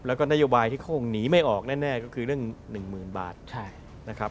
แล้วก็นโยบายที่เขาคงหนีไม่ออกแน่ก็คือเรื่อง๑๐๐๐บาทนะครับ